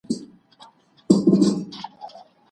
د مزاجونو توافق د ښه ژوند اساس دی.